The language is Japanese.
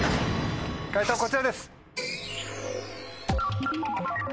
解答こちらです。